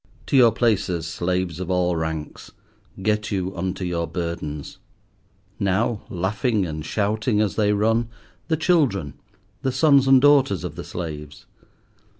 To your places, slaves of all ranks. Get you unto your burdens. Now, laughing and shouting as they run, the children, the sons and daughters of the slaves.